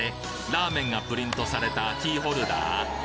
ラーメンがプリントされたキーホルダー？